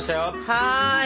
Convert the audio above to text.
はい！